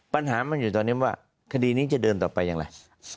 ปัญหามันอยู่ตอนนี้ว่าคดีนี้จะเดินต่อไปอย่างไร